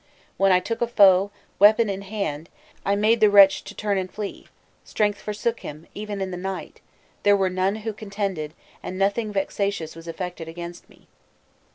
When I took a foe, weapon in hand, I make the wretch to turn and flee; strength forsook him, even in the night; there were none who contended, and nothing vexatious was effected against me."